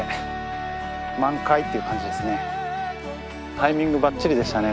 タイミングばっちりでしたね